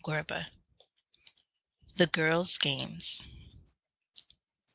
THE GIRLS' GAMES.